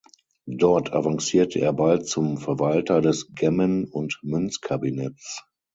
Dort avancierte er bald zum Verwalter des Gemmen- und Münzkabinetts.